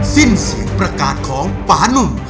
สิ้นเสียงประกาศของปานุ่ม